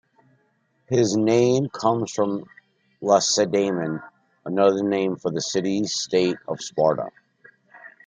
His name comes from Lacedaemon, another name for the city state of Sparta.